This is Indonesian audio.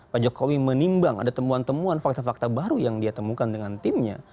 pak jokowi menimbang ada temuan temuan fakta fakta baru yang dia temukan dengan timnya